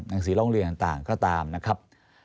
สีร้องเรียนต่างก็ตามนะครับ